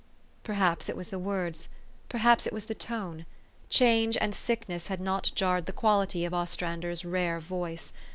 Perhaps it was the words ; perhaps it was the tone. Change and sickness had not jarred the quality of Ostrander's rare voice.